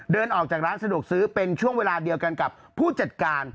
เดินออกจากร้านสะดวกซื้อเป็นช่วงเวลาเดียวกันกับผู้จัดการ